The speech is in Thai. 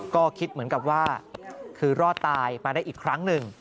ก็คิดเหมือนกับว่าคือรอดตายมาได้อีกครั้งหนึ่ง